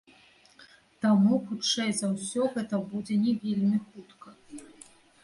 Таму, хутчэй за ўсё, гэта будзе не вельмі хутка.